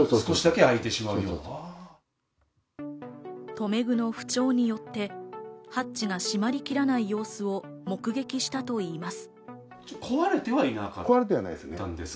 留め具の不調によって、ハッチが閉まりきらない様子を目撃したといいます。